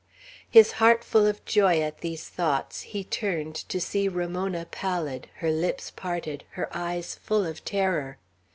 His heart full of joy at these thoughts, he turned, to see Ramona pallid, her lips parted, her eyes full of terror.